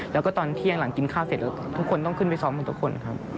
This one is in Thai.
แล้วก็ตอนเที่ยงหลังกินข้าวเสร็จแล้วทุกคนต้องขึ้นไปซ้อมหมดทุกคนครับ